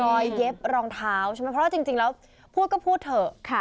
เย็บรองเท้าใช่ไหมเพราะว่าจริงแล้วพูดก็พูดเถอะ